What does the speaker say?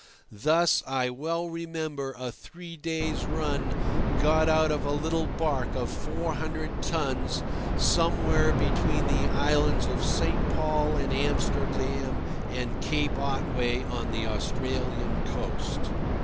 Thus I well remember a three days' run got out of a little barque of 400 tons somewhere between the islands of St. Paul and Amsterdam and Cape Otway on the Australian coast.